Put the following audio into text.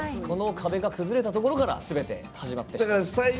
この壁が崩れたところからすべて始まっていますね。